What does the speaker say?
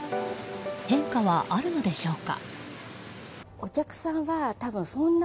変化はあるのでしょうか。